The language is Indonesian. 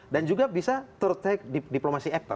dan juga bisa third track diplomasi actor